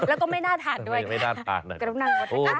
แล้วก็ไม่น่าทานด้วย